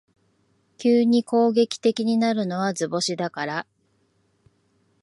急に攻撃的になるのは図星だから